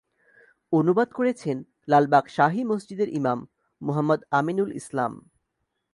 অনুবাদ করেছেন লালবাগ শাহী মসজিদের ইমাম মুহাম্মদ আমিনুল ইসলাম।